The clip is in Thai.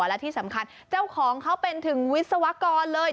และที่สำคัญเจ้าของเขาเป็นถึงวิศวกรเลย